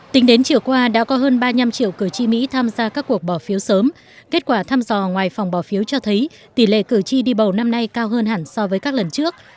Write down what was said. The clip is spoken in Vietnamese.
tính đến chiều qua đã có hơn ba mươi năm triệu cử tri mỹ tham gia các cuộc bỏ phiếu sớm kết quả thăm dò ngoài phòng bỏ phiếu cho thấy tỷ lệ cử tri đi bầu năm nay cao hơn hẳn so với các lần trước